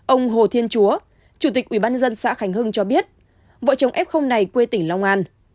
ông hồ thiên chúa chủ tịch ubnd xã khánh hưng cho biết vợ chồng f này quê tỉnh long an